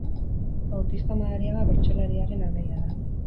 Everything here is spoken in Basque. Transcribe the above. Bautista Madariaga bertsolariaren anaia da.